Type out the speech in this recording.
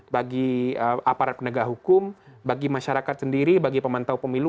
bagi aparat penegak hukum bagi masyarakat sendiri bagi pemantau pemilu